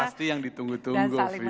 itu pasti yang ditunggu tunggu